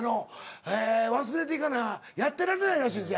忘れていかなやってられないらしいですね